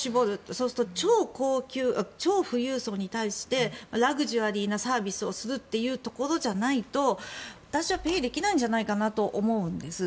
そうすると超富裕層に対してラグジュアリーなサービスをするというところじゃないと私はペイできないんじゃないかなと思うんです。